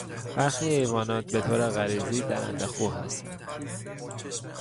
برخی حیوانات به طور غریزی درنده خو هستند.